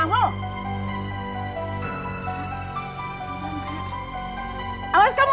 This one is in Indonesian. aku akan membantu kamu